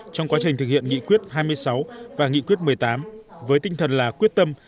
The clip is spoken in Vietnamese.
trong quá trình thực hiện nghị quyết hai mươi sáu và nghị quyết một mươi tám với tinh thần là quyết tâm